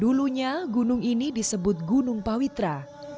dulunya gunung ini disebut gunung pawitra